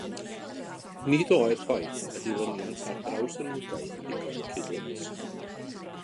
Nid oedd chwaith y dilyniant ar draws yr unedau yn ddigon cydlynnus